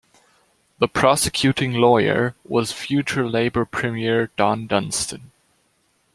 The prosecuting lawyer was future Labor premier Don Dunstan.